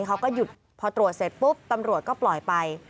เขาก็หยุดพอตรวจเสร็จปุ๊บตำรวจก็ปล่อยไป